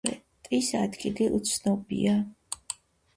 დახვრეტის ადგილი უცნობია.